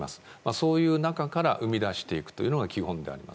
そういう中から生み出していくというのが基本であります。